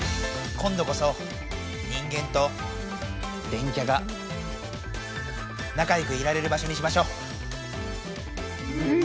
今度こそ人間と電キャがなかよくいられる場所にしましょう。